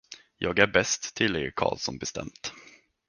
Jag är bäst, tillägger Karlsson bestämt.